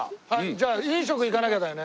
じゃあ飲食行かなきゃだよね。